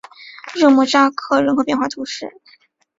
热莫扎克人口变化图示